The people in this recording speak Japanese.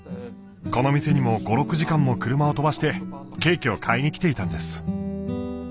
この店にも５６時間も車を飛ばしてケーキを買いに来ていたんです。